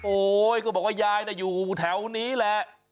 โอ๊ยก็บอกว่ายายน่ะอยู่แถวนี้แหละ